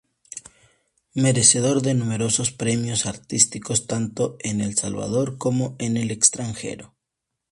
Merecedor de numerosos premios artísticos tanto en El Salvador como en el extranjero.